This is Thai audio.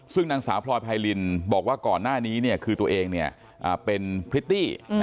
ซึ่งนางสาวพลอยพัยลินบอกว่าก่อนหน้านี้เนี่ยคือตัวเองเนี่ยเป็นพริตตี้